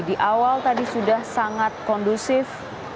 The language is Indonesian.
di awal tadi sudah sangat kondusif